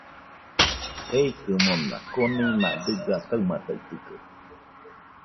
Jeikɨaɨ mona, konima dɨga kaɨmaitaitɨkaɨ